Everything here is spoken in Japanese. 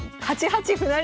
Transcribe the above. ８八歩成。